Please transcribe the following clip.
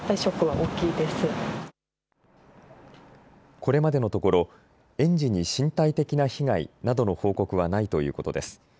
これまでのところ園児に身体的な被害などの報告はないということです。